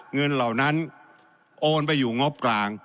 เหล่านั้นโอนไปอยู่งบกลาง